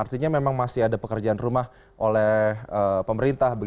artinya memang masih ada pekerjaan rumah oleh pemerintah